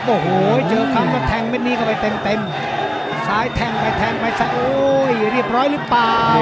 โอ้โหอยู่เรียบร้อยหรือเปล่า